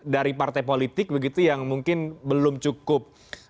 dari partai politik begitu yang mungkin belum cukup